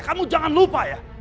kamu jangan lupa ya